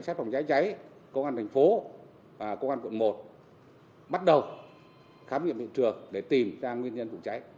công an thành phố và công an quận một bắt đầu khám nghiệm địa trường để tìm ra nguyên nhân của cháy